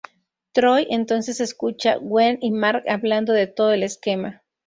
Troy entonces escucha Gwen y Marc hablando de todo el esquema.